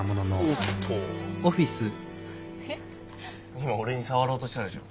今俺に触ろうとしたでしょ。